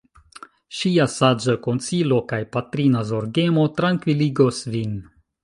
Ŝia saĝa konsilo kaj patrina zorgemo trankviligos vin.